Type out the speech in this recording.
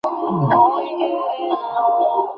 সে বাড়িতে আসলে তাকে জিজ্ঞেস করব কেমন?